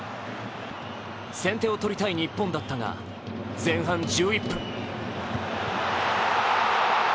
先手を取りたい日本だったが前半１１分。